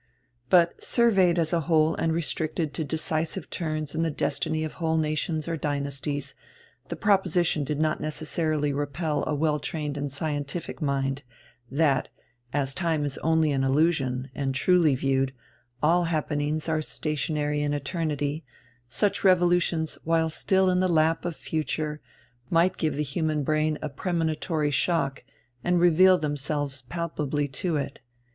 But, surveyed as a whole and restricted to decisive turns in the destiny of whole nations or dynasties, the proposition did not necessarily repel a well trained and scientific mind, that, as time is only an illusion and, truly viewed, all happenings are stationary in eternity, such revolutions while still in the lap of the future might give the human brain a premonitory shock and reveal themselves palpably to it.